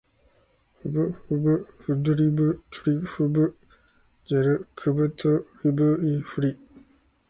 fvuufvfdivtrfvjrkvtrvuifri